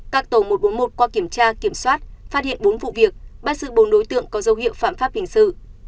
các tổ một trăm bốn mươi một qua kiểm tra kiểm soát phát hiện bốn vụ việc bắt giữ bốn đối tượng có dấu hiệu phạm pháp hình sự